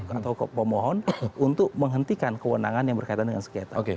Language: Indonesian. atau pemohon untuk menghentikan kewenangan yang berkaitan dengan sengketa